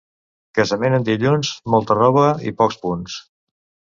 Casament en dilluns, molta roba i pocs punts.